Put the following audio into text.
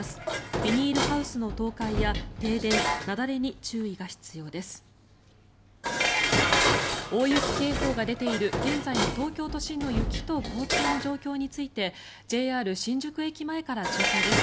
ビニールハウスの倒壊や停電、雪崩に注意が必要です。